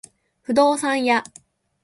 不動産屋